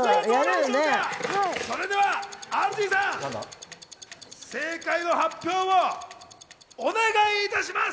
それではＲＧさん、正解の発表をお願いいたします！